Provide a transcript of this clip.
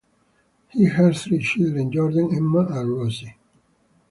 He has three children, Jorden, Emma, and Rossi.